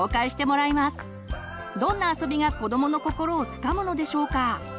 どんなあそびが子どもの心をつかむのでしょうか？